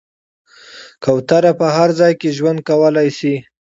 کوتره په هر ځای کې ژوند کولی شي.